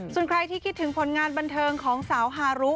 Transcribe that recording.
พูดถึงผลงานบันเทิงของสาวฮารุ